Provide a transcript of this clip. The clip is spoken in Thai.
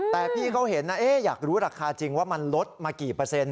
แต่พี่เขาเห็นนะอยากรู้ราคาจริงว่ามันลดมากี่เปอร์เซ็นต